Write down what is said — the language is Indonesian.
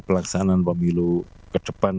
pelaksanaan pemilu ke depan